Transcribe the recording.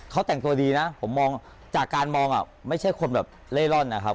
เขาแต่งตัวดีนะผมมองจากการมองอ่ะไม่ใช่คนแบบเล่ร่อนนะครับ